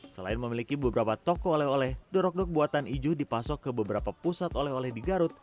selain memiliki beberapa toko oleh oleh dorok dok buatan iju dipasok ke beberapa pusat oleh oleh di garut